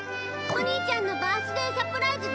お兄ちゃんのバースデーサプライズ